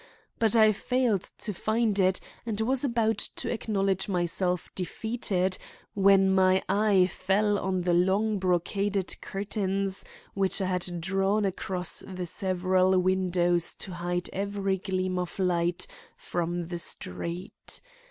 But I failed to find it and was about to acknowledge myself defeated when my eye fell on the long brocaded curtains which I had drawn across the several windows to hide every gleam of light from the street.